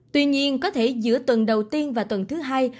tuy nhiên có thể giữa tuần đầu tiên và tuần thứ hai